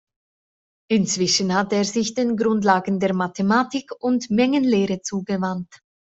Inzwischen hatte er sich den Grundlagen der Mathematik und Mengenlehre zugewandt.